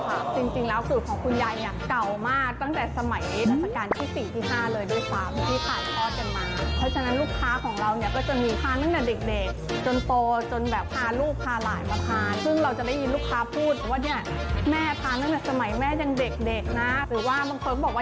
จริงแล้วสูตรของคุณยายเนี่ยเก่ามากตั้งแต่สมัยรัชกาลที่๔ที่๕เลยด้วยซ้ำที่ถ่ายทอดกันมาเพราะฉะนั้นลูกค้าของเราเนี่ยก็จะมีทานตั้งแต่เด็กจนโตจนแบบพาลูกพาหลานมาทานซึ่งเราจะได้ยินลูกค้าพูดว่าเนี่ยแม่ทานตั้งแต่สมัยแม่ยังเด็กเด็กนะหรือว่าบางคนก็บอกว่า